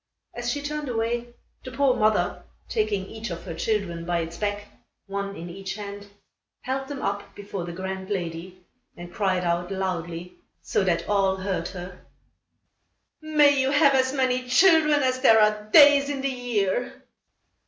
As she turned away, the poor mother, taking each of her children by its back, one in each hand, held them up before the grand lady and cried out loudly, so that all heard her: "May you have as many children as there are days in the year."